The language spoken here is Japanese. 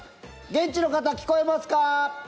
現地の方、聞こえますか？